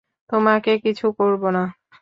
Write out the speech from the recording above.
তোমাকে কিছু করবো না।